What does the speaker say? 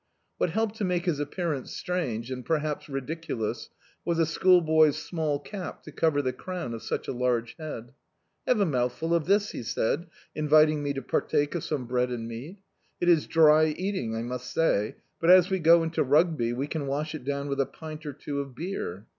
What helped to make his appearance strange, and perhaps ridiculous, was a schoolboy's small cap to cover the crown of such a large head. "Have a mouthfiil of this," he said, inviting me to partake of some bread and meat. "It is dry eating, I must say, but, as we go into Rugby, we can wash it down with a pint or two of beer."